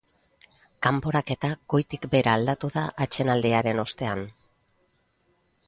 Kanporaketa goitik behera aldatu da atsedenaldiaren ostean.